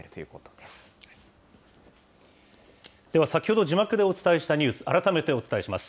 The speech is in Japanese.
では、先ほど、字幕でお伝えしたニュース、改めてお伝えします。